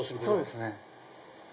そうですね。